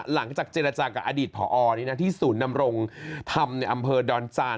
หลังจากเจรจากับอดีตผอที่ศูนย์นำรงธรรมในอำเภอดอนจาน